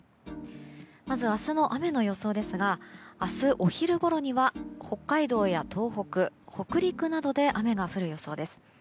まず明日の雨の予想ですが明日、お昼ごろには北海道や東北、北陸などで雨が降る予想です。